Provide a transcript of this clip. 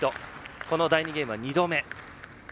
この第２ゲームは２度目。